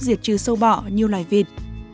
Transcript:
aigamo có thể chứa sâu bọ như loài vịt